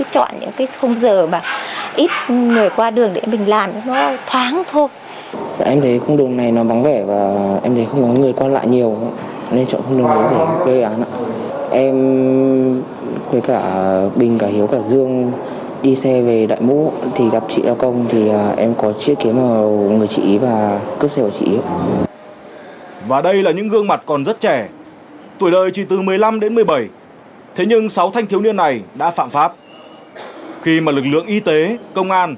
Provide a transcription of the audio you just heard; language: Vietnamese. còn những công cụ ủng hộ trợ mà dùng cái điện đấy thì em nhặt được